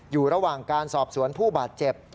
อยู่ระหว่างการสอบสวนผู้บาดเจ็บ